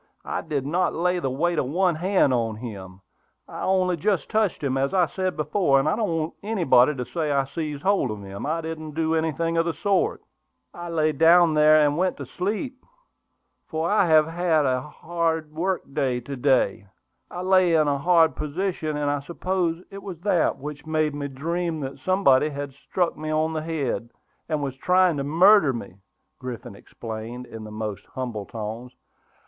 "I did not lay the weight of one hand on him; I only just touched him, as I said before; and I don't want anybody to say I seized hold of him. I didn't do anything of the sort." "I lay down there and went to sleep, for I have had to work hard to day. I lay in a hard position, and I suppose it was that which made me dream that somebody had struck me on the head, and was trying to murder me," Griffin explained, in the most humble tones.